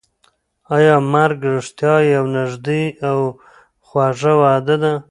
ایا مرګ رښتیا یوه نږدې او خوږه وعده ده؟